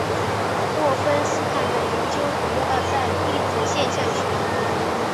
沃芬斯坦的研究主要在粒子现象学。